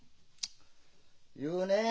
言うねえ